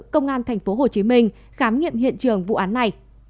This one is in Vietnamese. công an tp hồ chí minh khám nghiệm hiện trường vụ án này